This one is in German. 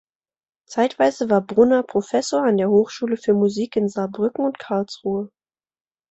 Zeitweise war Brunner Professor an der Hochschule für Musik in Saarbrücken und Karlsruhe.